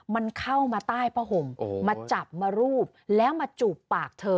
มันเข้ามาใต้ผ้าห่มมาจับมารูปแล้วมาจูบปากเธอ